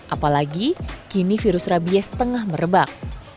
apalagi kini virus rabies tengah merebak